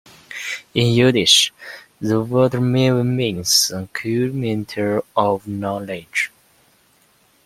In Yiddish, the word "maven" means "accumulator of knowledge".